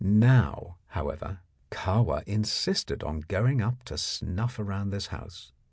Now, however, Kahwa insisted on going up to snuff around this house.